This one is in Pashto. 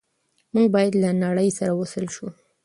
موږ باید له نړۍ سره وصل شو.